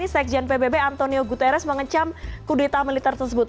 sekjen pbb antonio guterres mengecam kudeta militer tersebut